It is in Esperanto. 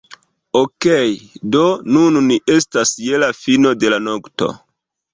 Okej' do nun ni estas je la fino de la nokto